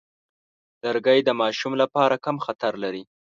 لرګی د ماشوم لپاره کم خطر لري.